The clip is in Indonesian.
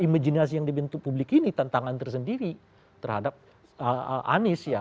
imajinasi yang dibentuk publik ini tantangan tersendiri terhadap anies ya